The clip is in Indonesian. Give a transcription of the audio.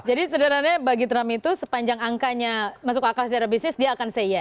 jadi sebenarnya bagi trump itu sepanjang angkanya masuk akal secara bisnis dia akan say yes